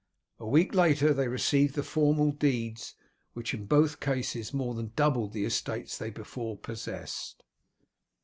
A week later they received the formal deeds, which in both cases more than doubled the estates they before possessed.